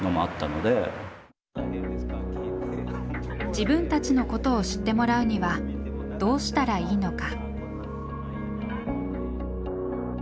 自分たちのことを知ってもらうにはどうしたらいいのか。